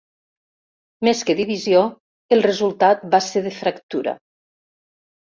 Més que divisió, el resultat va ser de fractura.